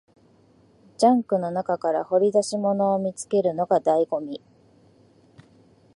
ジャンクの中から掘り出し物を見つけるのが醍醐味